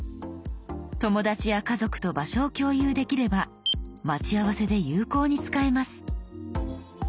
友達や家族と場所を共有できれば待ち合わせで有効に使えます。